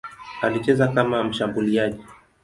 Alicheza kama mshambuliaji.